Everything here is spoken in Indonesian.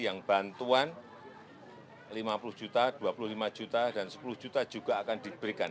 yang bantuan lima puluh juta dua puluh lima juta dan sepuluh juta juga akan diberikan